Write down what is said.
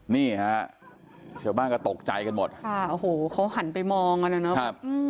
เนี้ยฮะชาวบ้างกะตกใจกันหมดค่ะโอ้โหเขาหันไปมองอ่ะเนี้ยนะค่ะ